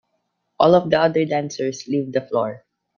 All of the other dancers leave the floor.